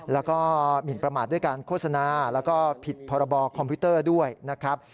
แล้วก็หมินประมาทด้วยการโฆษณาแล้วก็ผิดพรบคอมพิวเตอร์ด้วยนะครับ